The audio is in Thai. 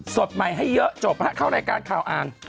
สดใหม่ให้เยอะจบฮะเข้ารายการข่าวอ่าน